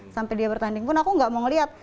sampai dia bertanding pun aku gak mau ngeliat